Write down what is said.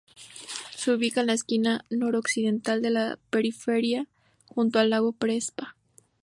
Se ubica en la esquina noroccidental de la periferia, junto al lago Prespa.